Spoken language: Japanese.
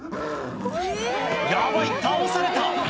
ヤバい倒された！